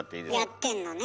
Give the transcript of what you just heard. やってんのね？